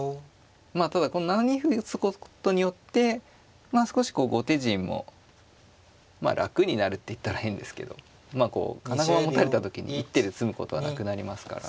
まあただこの７二歩打つことによってまあ少し後手陣もまあ楽になるって言ったら変ですけどまあこう金駒持たれた時に一手で詰むことはなくなりますから。